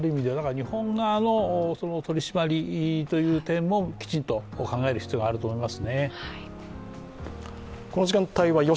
日本側の取り締まりという点もきちんと考える必要があります。